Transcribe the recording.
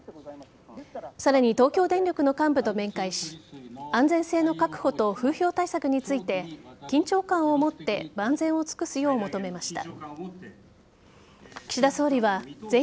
さらに、東京電力の幹部と面会し安全性の確保と風評対策について緊張感をもって万全を尽くすよう求めました。